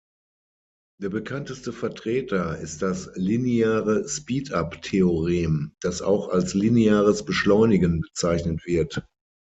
Der bekannteste Vertreter ist das lineare Speedup-Theorem, das auch als lineares Beschleunigen bezeichnet wird.